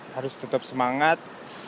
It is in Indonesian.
harus tetap semangat